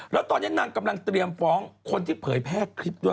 แล้วตอนนี้นางกำลังเตรียมฟ้องคนที่เผยแพร่คลิปด้วย